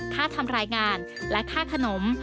ทำรายงานและค่าขนม